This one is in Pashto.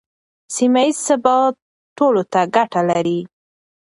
سیمه ییز ثبات ټولو ته ګټه لري.